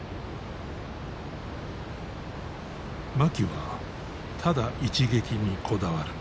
槇はただ一撃にこだわる。